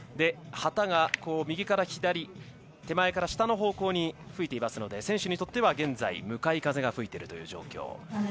旗が左から右手前から下の方向に吹いていますので選手にとっては現在向かい風が吹いているという状況。